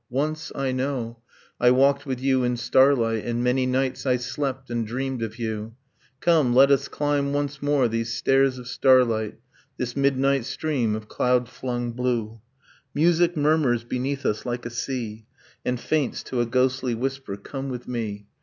Once, I know, I walked with you in starlight, And many nights I slept and dreamed of you; Come, let us climb once more these stairs of starlight, This midnight stream of cloud flung blue! ... Music murmurs beneath us like a sea, And faints to a ghostly whisper ... Come with me.